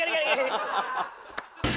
ハハハハ！